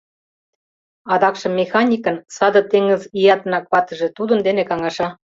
Адакшым механикын, саде теҥыз иятынак ватыже тудын дене каҥаша.